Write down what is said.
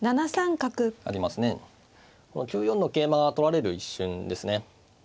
９四の桂馬が取られる一瞬ですね。